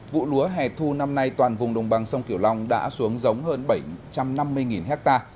vụ lúa hẻ thu năm nay toàn vùng đồng bằng sông kiểu long đã xuống giống hơn bảy trăm năm mươi ha